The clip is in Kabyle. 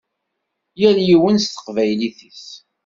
Yal yiwen s teqbaylit-is.